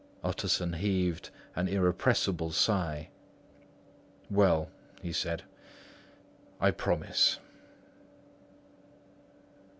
Utterson heaved an irrepressible sigh. "Well," said he, "I promise."